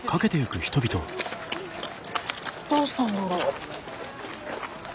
どうしたんだろう？